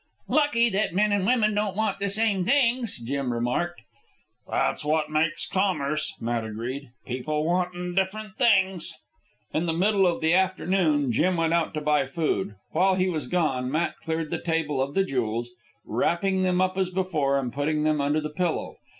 "Lucky that men an' women don't want the same things," Jim remarked. "That's what makes commerce," Matt agreed; "people wantin' different things." In the middle of the afternoon Jim went out to buy food. While he was gone, Matt cleared the table of the jewels, wrapping them up as before and putting them under the pillow.